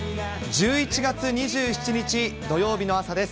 １１月２７日土曜日の朝です。